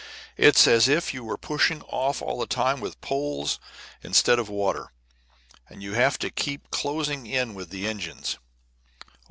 It's as if you were pushing off all the time with poles instead of water. And you have to keep closing in with the engines."